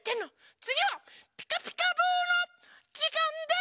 つぎは「ピカピカブ！」のじかんです！